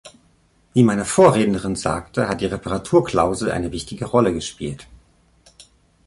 Wie meine Vorrednerin sagte, hat die Reparaturklausel eine wichtige Rolle gespielt.